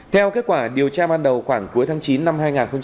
theo kết quả điều tra ban đầu khoảng cuối tháng chín năm hai nghìn hai mươi ba